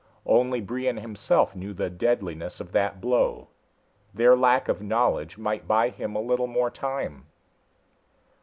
Only Brion himself knew the deadliness of that blow. Their lack of knowledge might buy him a little more time.